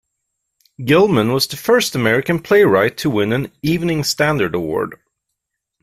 Gilman was the first American playwright to win an "Evening Standard" Award.